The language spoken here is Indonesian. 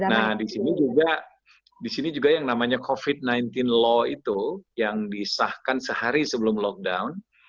nah di sini juga di sini juga yang namanya covid sembilan belas law itu yang disahkan sehari sebelum lockdown